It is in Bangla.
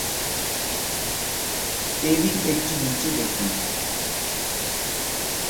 এরই একটি নিচে দেখুন-